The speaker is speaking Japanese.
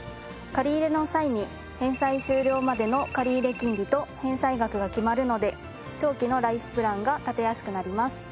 借り入れの際に返済終了までの借入金利と返済額が決まるので長期のライフプランが立てやすくなります。